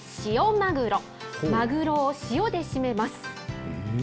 マグロを塩でしめます。